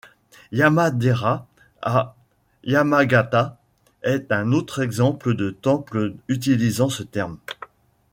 Yama-dera à Yamagata est un autre exemple de temple utilisant ce terme.